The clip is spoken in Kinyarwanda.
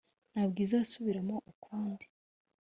ntabwo izarusubiramo ukundi